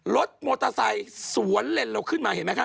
รถมอเตอร์ไซค์สวนเลนเราขึ้นมาเห็นไหมคะ